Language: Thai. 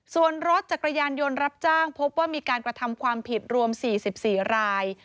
ส่วนรถจักรยานยนต์รับจ้างพบว่ามีการกระทำความผิดรวม๔๔ราย